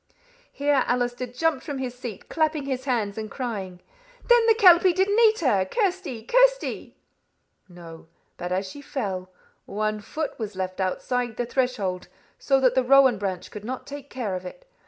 Here Allister jumped from his seat, clapping his hands and crying "Then the kelpie didn't eat her! Kirsty! Kirsty!" "No. But as she fell, one foot was left outside the threshold, so that the rowan branch could not take care of it.